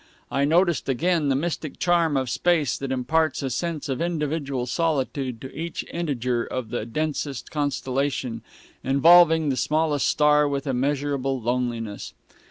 I noticed again the mystic charm of space that imparts a sense of individual solitude to each integer of the densest constellation, involving the smallest star with immeasurable loneliness.